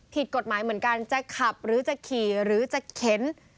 ผิดกฎหมายเหมือนกันจะขับหรือจะขี่หรือจะเข็น